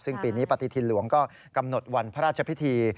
ซึ่งปีนี้ปฏิทินหลวงก็กำหนดวันพระราชพิธี